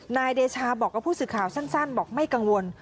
นายเดชาบอกกับผู้สื่อข่าวสั้นบอกไม่กังวล